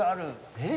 えっ？